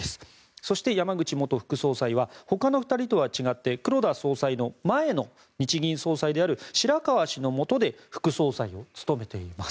そして、山口元副総裁はほかの２人とは違って黒田総裁の前の日銀総裁である白川氏のもとで副総裁を務めています。